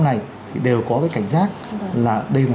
này thì đều có cái cảnh giác là đây là